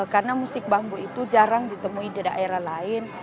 karena musik bambu itu jarang ditemui di daerah lain